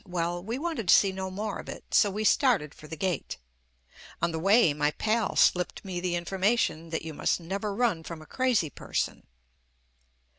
Well, we wanted to see no more of it, so we started for the gate. On the way my pal slipped me the JUST ME information that you must never run from a crazy person.